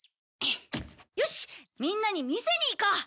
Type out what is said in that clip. よしみんなに見せに行こう！